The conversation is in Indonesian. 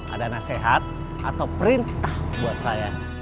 ada nasihat atau perintah buat saya